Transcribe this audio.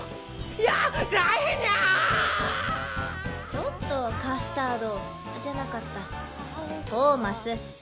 ちょっとカスタードじゃなかったトーマス。